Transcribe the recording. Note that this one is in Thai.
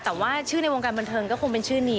แต่ว่าชื่อในวงการบันเทิงก็คงเป็นชื่อนี้